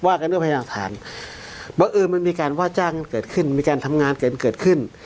กันด้วยพยายามฐานว่าเออมันมีการว่าจ้างกันเกิดขึ้นมีการทำงานกันเกิดขึ้น